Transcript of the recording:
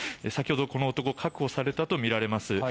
先ほどこの男確保されたとみられます。